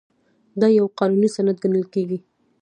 دا یو قانوني سند ګڼل کیږي.